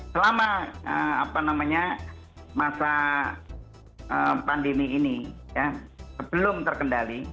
selama masa pandemi ini belum terkendali